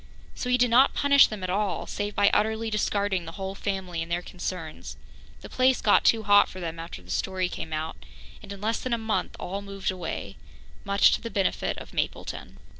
So he did not punish them at all, save by utterly discarding the whole family and their concerns. The place got too hot for them after the story came out, and in less than a month all moved away much to the benefit of Mapleton.